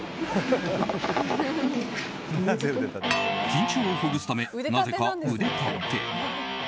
緊張をほぐすためなぜか腕立て。